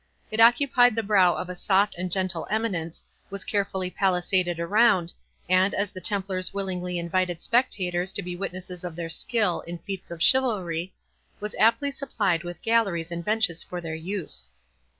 It occupied the brow of a soft and gentle eminence, was carefully palisaded around, and, as the Templars willingly invited spectators to be witnesses of their skill in feats of chivalry, was amply supplied with galleries and benches for their use.